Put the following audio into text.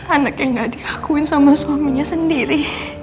anak yang gak diakuin sama suaminya sendiri